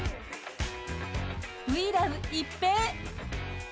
ウィー・ラブ・一平。